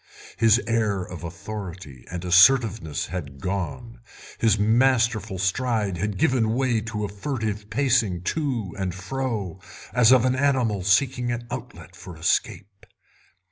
His air of authority and assertiveness had gone, his masterful stride had given way to a furtive pacing to and fro, as of an animal seeking an outlet for escape.